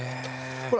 ほら。